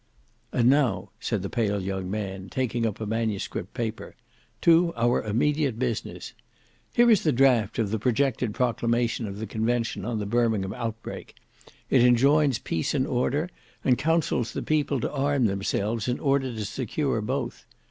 "And now," said the pale young man, taking up a manuscript paper, "to our immediate business. Here is the draft of the projected proclamation of the Convention on the Birmingham outbreak. It enjoins peace and order, and counsels the people to arm themselves in order to secure both.